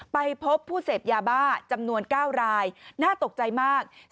ไปพบผู้เสพยาบ้าจำนวน๙รายน่าตกใจมาก